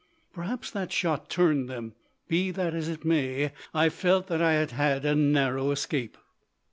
Perhaps that shot turned them. Be that as it may, I felt that I had had a narrow escape.